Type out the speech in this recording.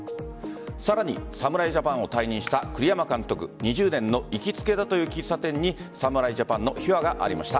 さらに侍ジャパンを退任した栗山監督２０年の行きつけだという喫茶店に侍ジャパンのピュアがありました。